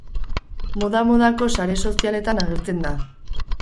Moda-modako sare sozialetan agertzen da.